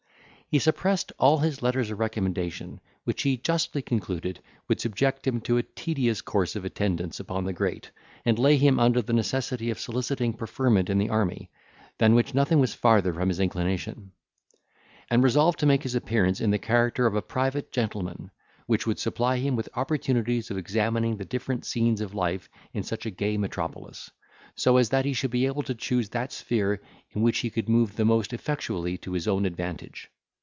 He suppressed all his letters of recommendation, which he justly concluded would subject him to a tedious course of attendance upon the great, and lay him under the necessity of soliciting preferment in the army, than which nothing was farther from his inclination; and resolved to make his appearance in the character of a private gentleman, which would supply him with opportunities of examining the different scenes of life in such a gay metropolis, so as that he should be able to choose that sphere in which he could move the most effectually to his own advantage.